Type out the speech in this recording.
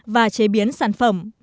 và chế biến sản phẩm